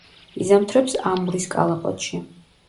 იზამთრებს ამურის კალაპოტში.